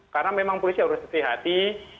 karena memang polisi harus hati hati